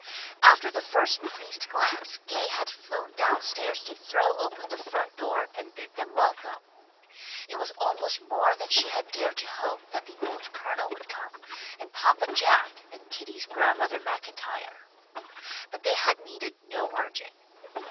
After the first pleased glance Gay had flown down stairs to throw open the front door and bid them welcome. It was almost more than she had dared to hope that the old Colonel would come, and "Papa Jack" and Kitty's Grandmother MacIntyre. But they had needed no urging.